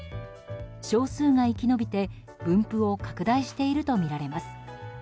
少数が生き延びて分布を拡大してるとみられます。